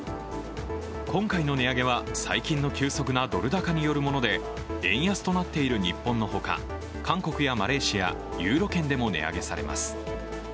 今回の値上げは最近の急速なドル高によるもので円安となっている日本のほか韓国やマレーシア、ユーロ圏でも値上げされます。